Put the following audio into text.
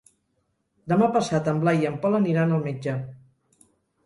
Demà passat en Blai i en Pol aniran al metge.